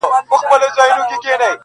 د رندانو له مستۍ به مځکه رېږدي.!